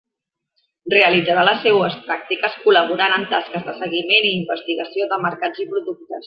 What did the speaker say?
Realitzarà les seues pràctiques col·laborant en tasques de seguiment i investigació de mercats i productes.